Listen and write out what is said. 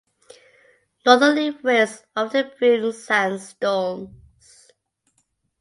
Northerly winds often bring sandstorms.